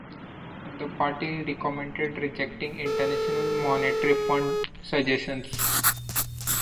The party recommended rejecting International Monetary Fund suggestions.